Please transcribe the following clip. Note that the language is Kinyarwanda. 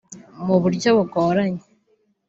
Mu buryo bugoranye